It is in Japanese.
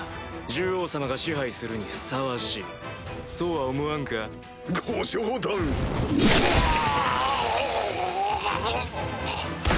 獣王様が支配するにふさわしいそうは思わご冗談をうわ！